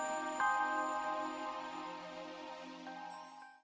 dia udah ngasih bee be jr taht ztuk lan baldwin ke direva baru sahi